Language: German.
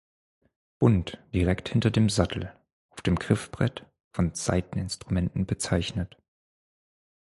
Bund, direkt hinter dem Sattel, auf dem Griffbrett von Saiteninstrumenten bezeichnet.